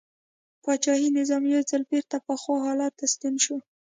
پاچاهي نظام یو ځل بېرته پخوا حالت ته ستون شو.